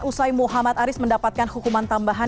usai muhammad aris mendapatkan hukuman tambahan